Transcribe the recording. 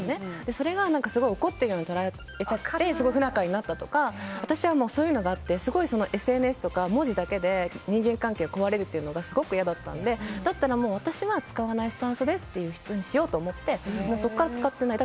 それが怒ってるように受け取られてすごく不仲になったとか私はそういうのがあってすごいＳＮＳとか文字だけで人間関係が壊れるのがすごく嫌だったのでだったら私は使わないスタンスですの人になろうと思ってそこから使っていない。